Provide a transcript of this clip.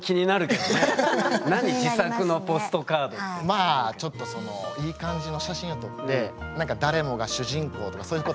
まあちょっといい感じの写真を撮って「誰もが主人公」とかそういうことを書いて。